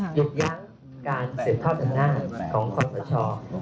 หยุดย้างการเสืบทอดธรรมนาธิของความสะชอบ